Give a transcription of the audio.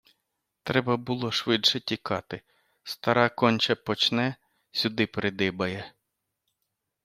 Треба було швидше тікати, - стара конче почне, сюди придибає.